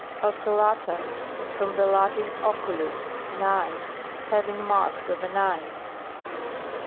OCELLATA. From the Latin, oculus, an eye. Having marks of an eye.